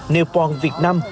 nailpong việt nam